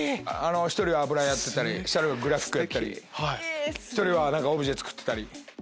１人は油絵やってたり１人はグラフィックやったり１人はオブジェ作ってたり。